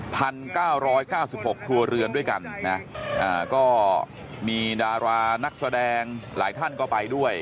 ๑๙๙๖ตัวเรือนด้วยกันมีดาร๔๕นักแสดงหลายท่านก็ไปด้วย